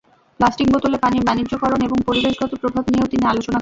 Plastic বোতলে পানির বাণিজ্যকরণ এবং পরিবেশগত প্রভাব নিয়েও তিনি আলোচনা করেন।